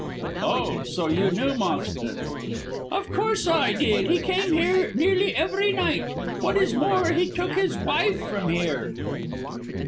"Oh, so you knew Moxton?" "Of course I did. He came here nearly every night. What is more, he took his wife from here."